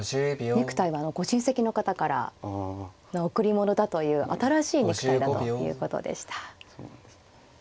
ネクタイはご親戚の方からの贈り物だという新しいネクタイだということでした。